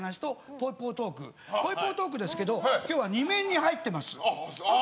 ぽいぽいトークですけど今日は２面に入ってます。